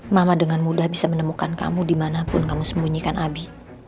mama dengan mudah bisa menemukan kamu dimanapun kamu sembunyikan abi